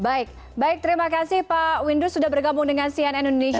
baik baik terima kasih pak windus sudah bergabung dengan cn indonesia connected malam hari ini